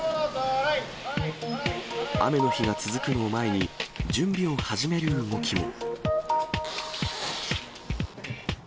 雨の日が続くのを前に、準備を始める動きも。